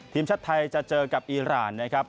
ทีมชาติไทยจะเจอกับอีรานนะครับ